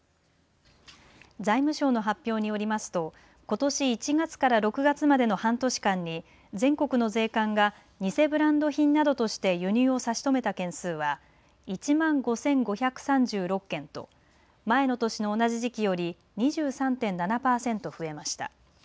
財務省の発表によりますとことし１月から６月までの半年間に全国の税関が偽ブランド品などとして輸入を差し止めた件数は１万５５３６件と前の年の同じ時期より２３．７パーセント増えました。